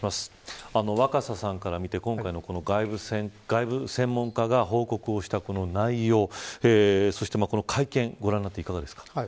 若狭さんから見て、今回の外部専門家が報告をしたこの内容そして、この会見をご覧になっていかがですか。